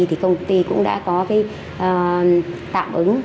thì công ty cũng đã có cái tạm ứng hỗ trợ cho em